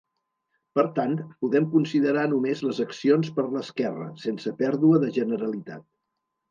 Per tant, podem considerar només les accions per l'esquerra, sense pèrdua de generalitat.